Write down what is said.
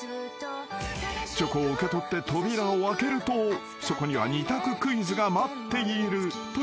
［チョコを受け取って扉を開けるとそこには２択クイズが待っているという流れ］